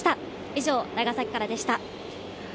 以上、長崎からでした。